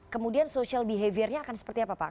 kemudian social behavior nya akan seperti apa pak